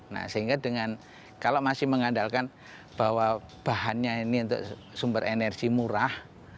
nah sehingga dengan kalau masih mengandalkan bahwa bahannya ini untuk sumber energi murah